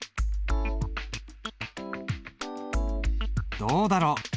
どうだろう。